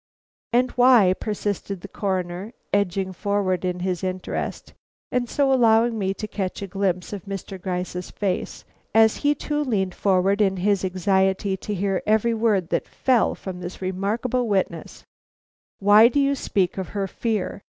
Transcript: "And why," persisted the Coroner, edging forward in his interest and so allowing me to catch a glimpse of Mr. Gryce's face as he too leaned forward in his anxiety to hear every word that fell from this remarkable witness, "why do you speak of her fear?